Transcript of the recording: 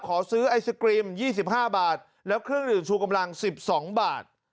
ขอซื้อไอศกรีม๒๕บาทแล้วเครื่องดื่มชูกำลัง๑๒บาท